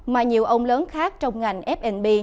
mà nhiều ông lớn khác trong ngành f b